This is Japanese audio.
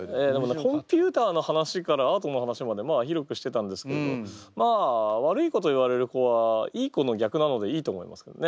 コンピューターの話からアートの話まで広くしてたんですけれどまあ悪い子と言われる子はいい子の逆なのでいいと思いますけどね。